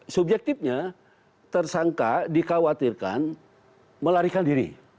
subjektifnya tersangka dikhawatirkan melarikan diri